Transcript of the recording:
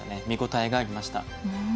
見応えがありました。